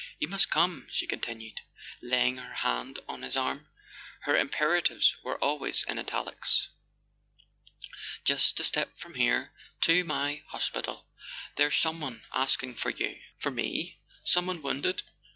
"You must come," she continued, laying her hand on his arm (her imperatives were always in italics). "Just a step from here—to my hospital. There's some¬ one asking for you." "For me? Someone wounded?"